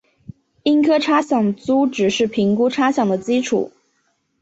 应课差饷租值是评估差饷的基础。